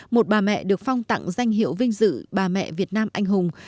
một bà mẹ được phong tặng danh hiệu vinh dự bà mẹ việt nam anh hùng